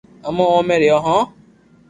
امو او مي رھيو ھون